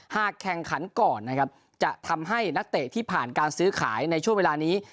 หากแข่งขันก่อนนะครับจะทำให้นักเตะที่ผ่านการซื้อขายในช่วงเวลานี้